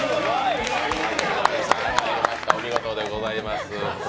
お見事でございます。